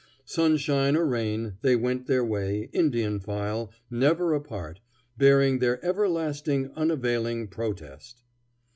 Sunshine or rain, they went their way, Indian file, never apart, bearing their everlasting, unavailing protest.